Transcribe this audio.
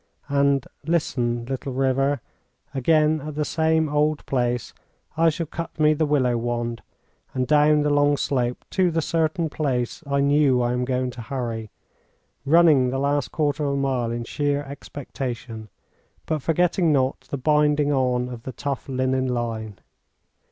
And listen, little river again at the same old place I shall cut me the willow wand, and down the long slope to the certain place I knew I am going to hurry, running the last quarter of a mile in sheer expectation, but forgetting not the binding on of the tough linen line.